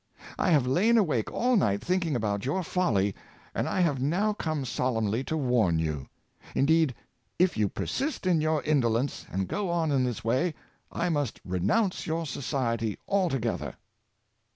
I have lain awake all night thinking about your folly, and I have now come solemnly to warn you. Indeed, if you per sist in your indolence, and go on in this way, I must renounce your society altogether."